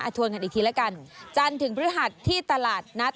อันทวนกันอีกทีแล้วกันจันทร์ถึงพื้นหันที่ตลาดนัด